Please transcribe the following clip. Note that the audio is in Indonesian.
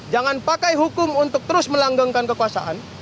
jangan pakai hukum untuk terus melanggengkan kekuasaan